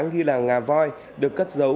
ghi là ngà voi được cất giấu